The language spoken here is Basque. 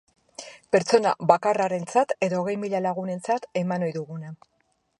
Pertsona bakarrarentzat edo hogei mila lagunentzat eman ohi duguna.